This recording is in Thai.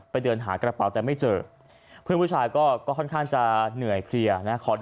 เดินหากระเป๋าแต่ไม่เจอเพื่อนผู้ชายก็ค่อนข้างจะเหนื่อยเพลียนะ